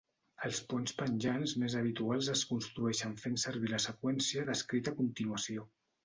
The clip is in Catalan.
Els ponts penjants més habituals es construeixen fent servir la seqüència descrita a continuació.